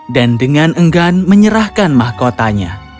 dan dengan enggan menyerahkan mahkotanya